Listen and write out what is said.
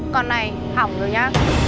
con này hỏng rồi nhá